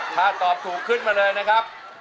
ถ้าตอบถูกขึ้นมาเลยนะครับ